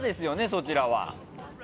そちらは。